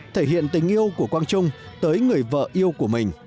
thể hiện tình yêu của quang trung tới người vợ yêu quân